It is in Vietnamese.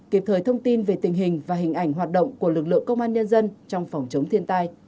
kịp thời thông tin về tình hình và hình ảnh hoạt động của lực lượng công an nhân dân trong phòng chống thiên tai